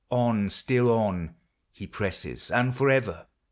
On, still on, He presses, and forever.